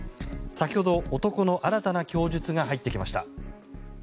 先ほど、男の新たな供述が入ってきました。